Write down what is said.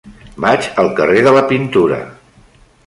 Vaig al carrer de la Pintura.